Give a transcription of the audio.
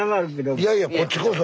いやいやこっちこそ。